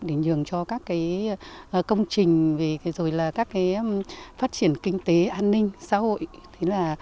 để nhường cho các công trình phát triển kinh tế an ninh xã hội